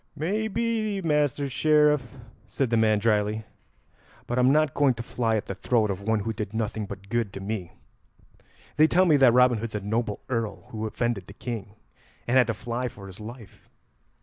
"May be, Master Sheriff," said the man drily; "but I'm not going to fly at the throat of one who did nothing but good to me. They tell me that Robin Hood's a noble earl who offended the King, and had to fly for his life.